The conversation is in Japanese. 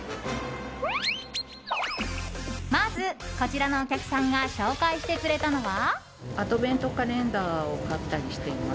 まず、こちらのお客さんが紹介してくれたのは。